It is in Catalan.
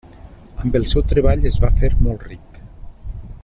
Amb el seu treball es va fer molt ric.